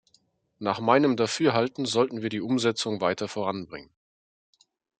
Nach meinem Dafürhalten sollten wir die Umsetzung weiter voranbringen.